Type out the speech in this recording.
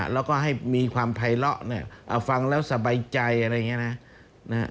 แล้วก็ให้มีความภัยเลาะฟังแล้วสบายใจอะไรอย่างนี้นะ